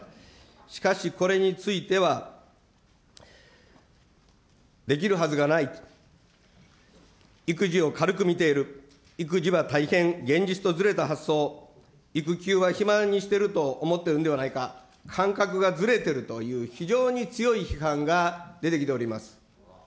しかし、これについては、できるはずがない、育児を軽く見ている、育児は大変現実とずれた発想、育休は暇にしてると思ってるんではないか、感覚がずれているという、非常に強い批判が出てきております。